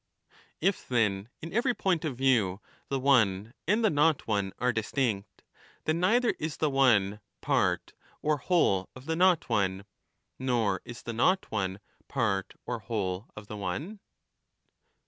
the one: If then, in every point of view, the one and the not one are distinct, then neither is the one part or whole of the not one, nor is the not one part or whole of the one